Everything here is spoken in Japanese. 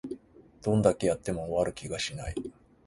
どんだけやっても終わる気がしない